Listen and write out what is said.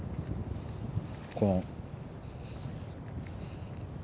この。